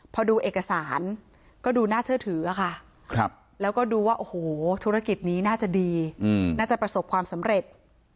พอดูเอกสารก็ดูน่าเชื่อถือค่ะแล้วก็ดูว่าโอ้โหธุรกิจนี้น่าจะดีน่าจะประสบความสำเร็จ